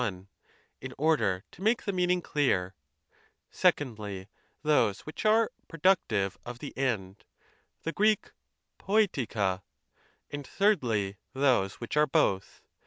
xvi xvii I one, in order to make the meaning clear), f secondly those which are productive ' of the End, I Uie Greek poietika ; and thirdly tliose which are J both.